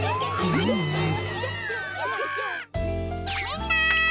みんな！